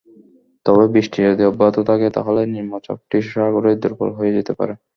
তবে বৃষ্টি যদি অব্যাহত থাকে, তাহলে নিম্নচাপটি সাগরেই দুর্বল হয়ে যেতে পারে।